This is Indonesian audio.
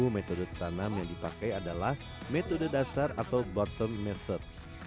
metode tanam yang dipakai adalah metode dasar atau bortom metsource